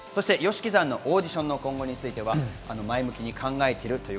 ＹＯＳＨＩＫＩさんのオーディションの今後については、前向きに考えているとい